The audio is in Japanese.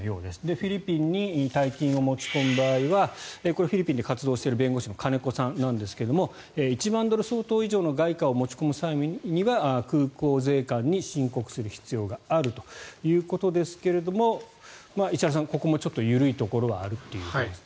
フィリピンに大金を持ち込む場合はこれはフィリピンで活動している弁護士の金子さんなんですが１万ドル相当以上の外貨を持ち込む際には空港税関に申告する必要があるということですが石原さん、ここもちょっと緩いところはあるということですね。